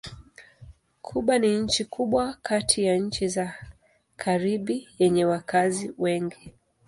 Kuba ni nchi kubwa kati ya nchi za Karibi yenye wakazi wengi.